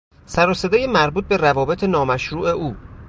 سر و صدای مربوط به روابط نامشروع او